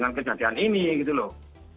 dan kejadian ini gitu loh